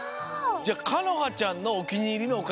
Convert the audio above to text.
じゃあかのはちゃんのおきにいりのおかしどれ？